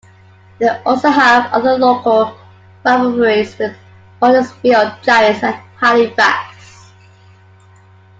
They also have other local rivalries with Huddersfield Giants and Halifax.